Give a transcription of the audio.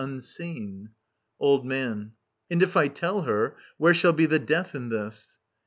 Unseen. Old Man. And if I tell her, where shall be The death in this